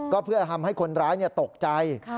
ก็เพื่อทำให้คนร้ายตกใจ